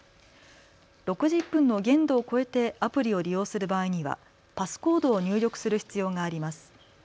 ６０分の限度を超えてアプリを利用する場合にはパスコードを入力する必要があります。